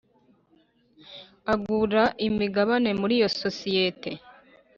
Agura imigabane muri iyo sosiyete